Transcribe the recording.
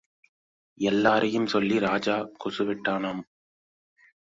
எல்லாரையும் சொல்லி ராஜா குசு விட்டானாம்.